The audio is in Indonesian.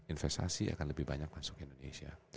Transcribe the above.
investasi akan lebih banyak masuk ke indonesia